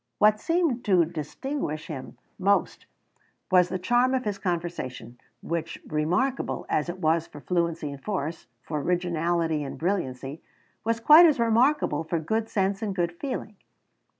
What seemed to distinguish him most was the charm of his conversation, which, remarkable as it was for fluency and force, for originality and brilliancy, was quite as remarkable for good sense and good feeling.